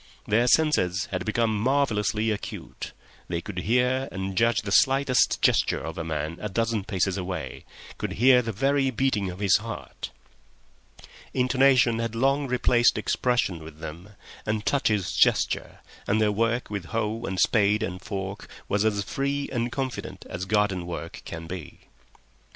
Their senses had become marvellously acute; they could hear and judge the slightest gesture of a man a dozen paces away—could hear the very beating of his heart. Intonation had long replaced expression with them, and touches gesture, and their work with hoe and spade and fork was as free and confident as garden work can be.